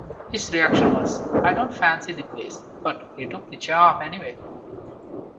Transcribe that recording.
His reaction was: "I don't fancy the place," but he took the job, anyway.